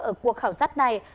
ở cuộc khảo sát này